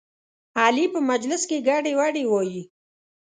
علي په مجلس کې ګډې وډې وایي.